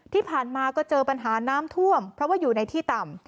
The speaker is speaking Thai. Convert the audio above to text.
ที่ผ่านมาก็เจอปัญหาน้ำท่วมเพราะว่าอยู่ในที่ต่ำ